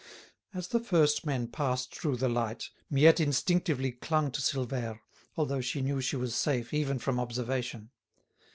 As the first men passed through the light Miette instinctively clung to Silvère, although she knew she was safe, even from observation.